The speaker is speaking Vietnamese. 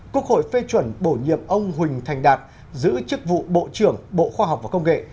quốc hội phê chuẩn bổ nhiệm ông huỳnh thành đạt giữ chức vụ bộ trưởng bộ khoa học và công nghệ